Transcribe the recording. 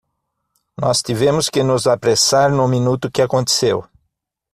Nós tivemos que nos apressar no minuto que aconteceu!